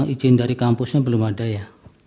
izin dari kampusnya belum ada ya